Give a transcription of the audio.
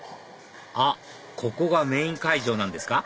あっここがメイン会場なんですか